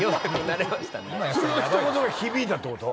そのひと言が響いたってこと？